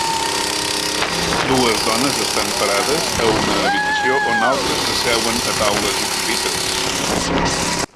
Dues dones estan parades a una habitació on altres s'asseuen a taules i pupitres.